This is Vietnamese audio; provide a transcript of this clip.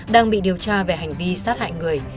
đang bị điều tra về hành vi sát hại người